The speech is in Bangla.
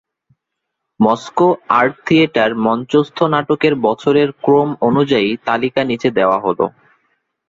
মস্কো আর্ট থিয়েটার মঞ্চস্থ নাটকের বছরের ক্রম অনুযায়ী তালিকা নিচে দেওয়া হল।